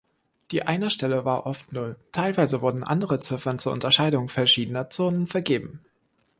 Die Einerstelle war oft Null, teilweise wurden andere Ziffern zur Unterscheidung verschiedener Zonen vergeben.